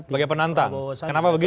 bagi penantang kenapa begitu pak